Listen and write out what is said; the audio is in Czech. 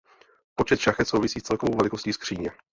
Počet šachet souvisí s celkovou velikostí skříně.